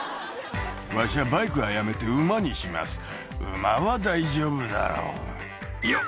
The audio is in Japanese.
「わしはバイクはやめて馬にします」「馬は大丈夫だろよっ！」